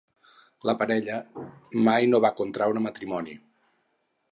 La parella mai no va contreure matrimoni.